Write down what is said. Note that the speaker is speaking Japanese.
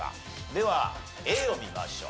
ではＡを見ましょう。